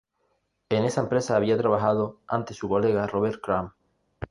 En esa empresa había trabajado antes su colega Robert Crumb.